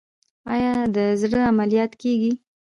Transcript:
آیا د زړه عملیات کیږي؟